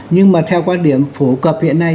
nhưng mà theo quan điểm phổ cập hiện nay